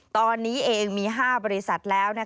ตอนนี้เองมี๕บริษัทแล้ว